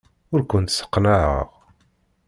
Ur kent-sseqnaɛeɣ.